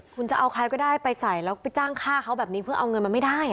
คุณจะเอาใครก็ได้ไปใส่แล้วไปจ้างฆ่าเขาแบบนี้เพื่อเอาเงินมันไม่ได้